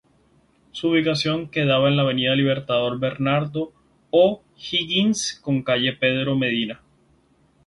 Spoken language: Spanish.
Su ubicación queda en Avenida Libertador Bernardo O´Higgins con calle Pedro Medina.